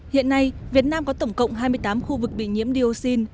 hiện nay việt nam có tổng cộng hai mươi tám khu vực bị nhiễm dioxin